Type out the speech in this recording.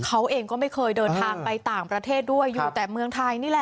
เขาเองก็ไม่เคยเดินทางไปต่างประเทศด้วยอยู่แต่เมืองไทยนี่แหละ